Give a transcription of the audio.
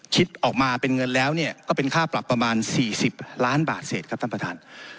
คิดออกมาเป็นเงินแล้วเนี่ยก็เป็นค่าปรับประมาณ๔๐ล้านบาทเศษครับท่านประธาน